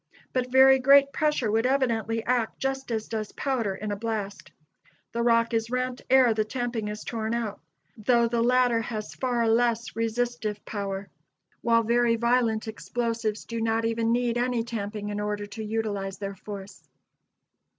But very great pressure would evidently act just as does powder in a blast: the rock is rent ere the tamping is torn out, though the latter has far less resistive power; while very violent explosives do not even need any tamping in order to utilize their force.